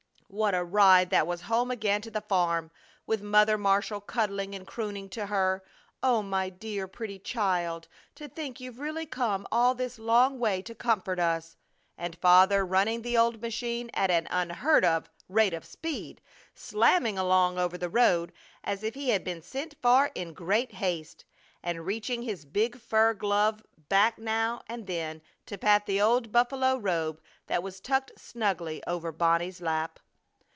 What a ride that was home again to the farm, with Mother Marshall cuddling and crooning to her: "Oh, my dear pretty child! To think you've really come all this long way to comfort us!" and Father running the old machine at an unheard of rate of speed, slamming along over the road as if he had been sent for in great haste, and reaching his big fur glove back now and then to pat the old buffalo robe that was tucked snugly over Bonnie's lap.